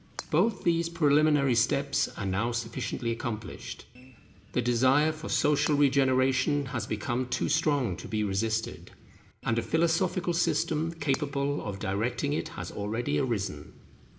Both these preliminary steps are now sufficiently accomplished. The desire for social regeneration has become too strong to be resisted, and a philosophical system capable of directing it has already arisen.